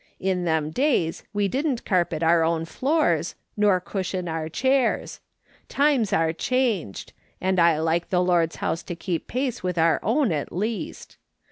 In them days we didn't carpet our own floors, nor cushion our chairs. Times are changed, and I like the Lord's house to keep pace with our own, at least.